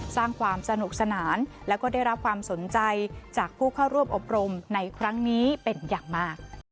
สร้างความสนุกสนานแล้วก็ได้รับความสนใจจากผู้เข้าร่วมอบรมในครั้งนี้เป็นอย่างมาก